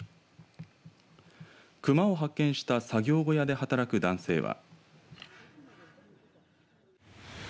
熊を発見した作業小屋で働く男性は。